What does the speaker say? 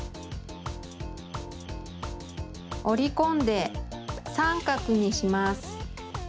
おりこんでさんかくにします。